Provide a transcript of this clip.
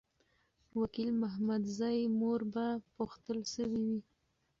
وکیل محمدزی مور به پوښتل سوې وي.